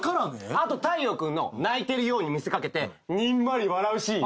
あと大陽君の泣いてるように見せ掛けてにんまり笑うシーン。